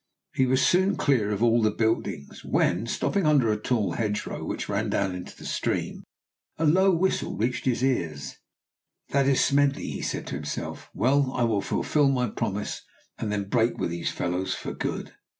He was soon clear of all the buildings, when, stopping under a tall hedge row which ran down to the stream, a low whistle reached his ears. "That is Smedley," he said to himself. "Well, I will fulfil my promise, and then break with these fellows for good."